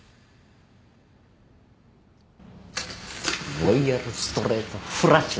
ロイヤルストレートフラッシュだ。